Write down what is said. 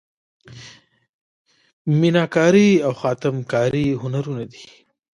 میناکاري او خاتم کاري هنرونه دي.